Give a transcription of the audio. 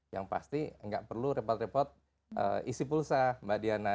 yang pasti nggak perlu repot repot isi pulsa mbak diana